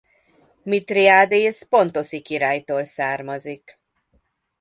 Mithridatész pontoszi királytól származik.